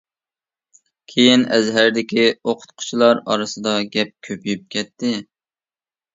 كېيىن ئەزھەردىكى ئوقۇتقۇچىلار ئارىسىدا گەپ كۆپىيىپ كەتتى.